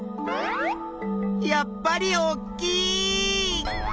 やっぱりおっきいっ！